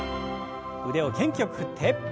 腕を元気よく振って。